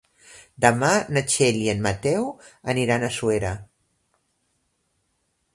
Demà na Txell i en Mateu aniran a Suera.